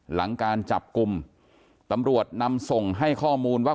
หลังการจับกลุ่มตำรวจนำส่งให้ข้อมูลว่า